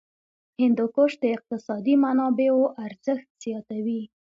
هندوکش د اقتصادي منابعو ارزښت زیاتوي.